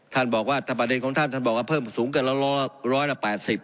ท่านบอกว่าถ้าประเด็นของท่านท่านบอกว่าเพิ่มสูงเกินร้อยละ๘๐